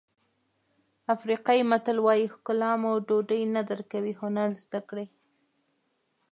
افریقایي متل وایي ښکلا مو ډوډۍ نه درکوي هنر زده کړئ.